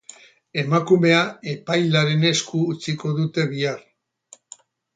Emakumea epailearen esku utziko dute bihar.